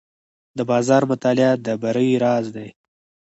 د بازار مطالعه د بری راز دی.